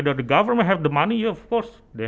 apakah pemerintah memiliki uang ya tentu saja